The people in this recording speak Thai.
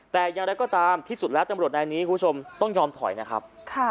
แต่อย่างไรก็ตามที่สุดแล้วตำรวจนายนี้คุณผู้ชมต้องยอมถอยนะครับ